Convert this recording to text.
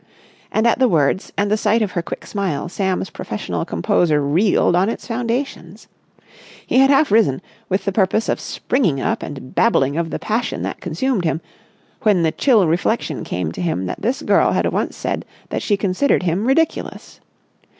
And at the words and the sight of her quick smile Sam's professional composure reeled on its foundations. He had half risen, with the purpose of springing up and babbling of the passion that consumed him, when the chill reflection came to him that this girl had once said that she considered him ridiculous.